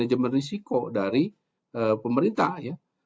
dan management risiko dari pemerintah ya